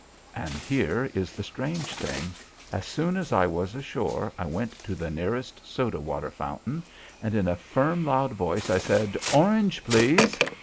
And here is the strange thing: as soon as I was ashore I went to the nearest soda water fountain, and in a loud, firm voice I said, "Orange, please."